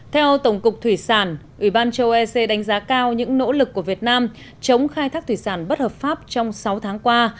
theo tổng cục thủy sản ủy ban châu ec đánh giá cao những nỗ lực của việt nam chống khai thác thủy sản bất hợp pháp trong sáu tháng qua